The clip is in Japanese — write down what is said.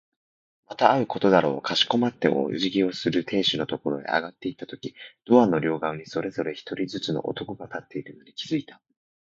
また会うことだろう。かしこまってお辞儀をする亭主のところへ上がっていったとき、ドアの両側にそれぞれ一人ずつの男が立っているのに気づいた。